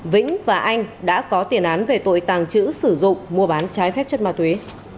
vĩnh và anh đã có tiền án về tội tàng trữ sử dụng mua bán trái phép chất ma túy